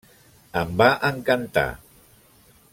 Em va encantar.